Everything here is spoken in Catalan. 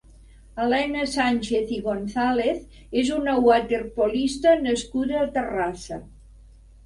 Elena Sánchez i González és una waterpolista nascuda a Terrassa.